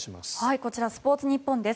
こちらスポーツニッポンです。